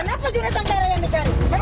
kenapa jurnal tanggal yang dicari